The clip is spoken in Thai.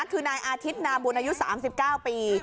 คือนายอทิตย์นามุณอิน้ย๓๙ปี